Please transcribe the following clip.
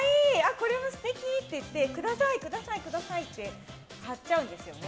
これも素敵！っていってください、ください！って買っちゃうんですよね。